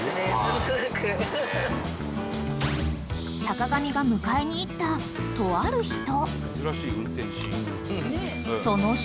［坂上が迎えに行ったとある人］